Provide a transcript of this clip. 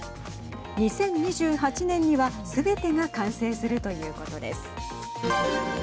２０２８年には、すべてが完成するということです。